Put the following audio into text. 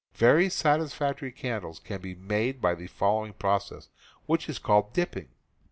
Very satis factory candles can be made by the following process, which is called "dipping."